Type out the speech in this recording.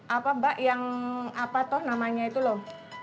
apa mbak yang apa toh namanya itu loh